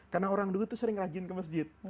karena orang dulu itu sering rajin ke masjid